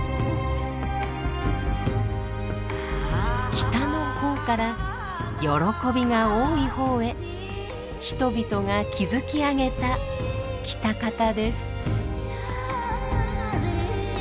「北の方」から「喜びが多い方」へ人々が築き上げた喜多方です。